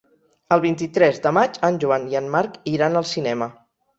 El vint-i-tres de maig en Joan i en Marc iran al cinema.